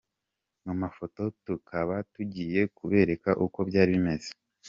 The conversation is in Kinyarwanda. Mu mafoto tukaba tugiye kubereka uko byari bimeze.